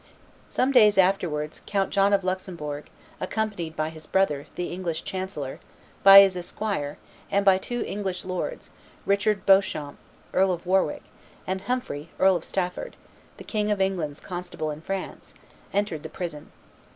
Some days afterwards, Count John of Luxembourg, accompanied by his brother, the English chancellor, by his esquire, and by two English lords, Richard Beauchamp, Earl of Warwick, and Humphrey, Earl of Stafford, the King of England's constable in France, entered the prison.